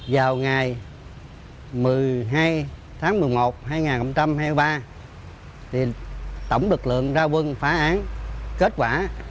vào ngày một mươi hai tháng một mươi một hai nghìn hai mươi ba tổng lực lượng ra quân phá án kết quả